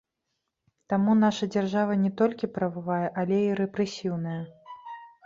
Таму наша дзяржава не толькі прававая, але і рэпрэсіўная.